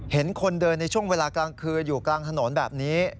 เห็นคนเดินในช่วงเวลากลางคืนอยู่กลางถนนแบบนี้